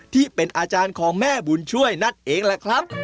ที่เป็นอาจารย์ของแม่บุญช่วยนั่นเองแหละครับ